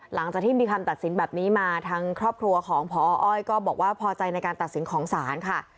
หลังจากที่มีคำตัดสินแบบนี้มาทางครอบครัวของพออ้อยก็บอกว่าพอใจในการตัดสินของศาลค่ะ